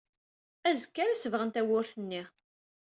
Azekka ara sebɣen tawwurt-nni.